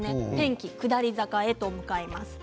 天気が下り坂へと向かいます。